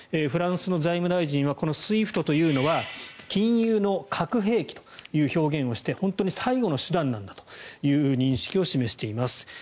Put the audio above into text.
フランスの財務大臣はこのＳＷＩＦＴというのは金融の核兵器という表現をして本当に最後の手段なんだという認識を示しています。